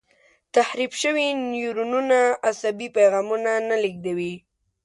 تخریب شوي نیورونونه عصبي پیغامونه نه لېږدوي.